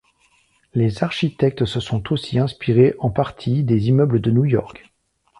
Les architectes se sont aussi inspirés en partie des immeubles de New York.